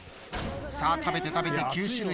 さあ食べて食べて９種類。